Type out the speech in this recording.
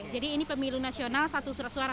jadi ini pemilu nasional satu surat suara